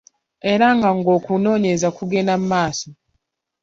Era ng'okunoonyereza kugenda mu maaso.